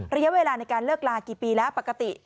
ระยะเวลาในการเลิกลากี่ปีแล้วปกติ